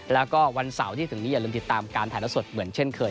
แล้วก็วันเสาร์ที่ถึงนี้อย่าลืมติดตามการถ่ายละสดเหมือนเช่นเคย